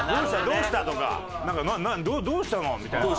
どうした？」とか「何？どうしたの？」みたいな。